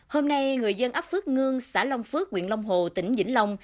hôm nay người dân ấp phước ngương xã long phước nguyện long hồ tỉnh vĩnh long